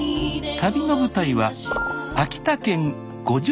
旅の舞台は秋田県五城目町。